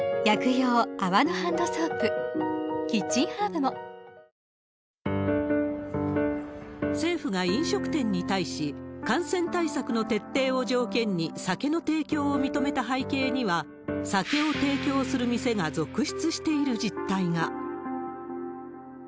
条件付き緩和の背景には、政府が飲食店に対し、感染対策の徹底を条件に酒の提供を認めた背景には、酒を提供する店が続出している実態が。